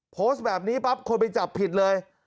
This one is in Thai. โพสต์แบบนี้ปั๊บคนไปจับผิดเลย